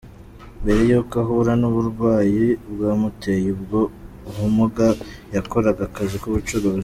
Mbere y’uko ahura n’uburwayi bwamuteye ubwo bumuga yakoraga akazi k’ubucuruzi.